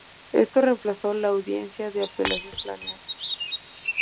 Esto reemplazó la audiencia de apelación planeada.